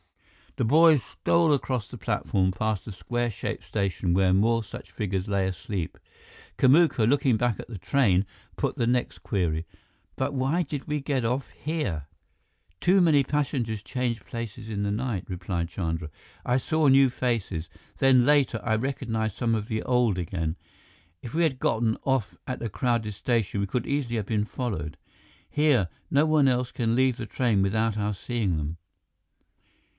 The boys stole across the platform past a square shaped station where more such figures lay asleep. Kamuka, looking back at the train, put the next query: "But why did we get off here?" "Too many passengers changed places in the night," replied Chandra. "I saw new faces; then later, I recognized some of the old again. If we had gotten off at a crowded station, we could easily have been followed. Here, no one else can leave the train without our seeing them."